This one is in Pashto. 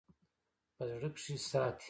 په زړه کښې ساتي--